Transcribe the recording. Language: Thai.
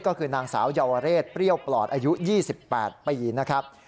ก็คือนางสาวเยาวเรศเปรี้ยวปลอดอายุ๒๘ปีนะครับ